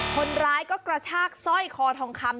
คนร้ายก็กระชากสร้อยคอทองคำ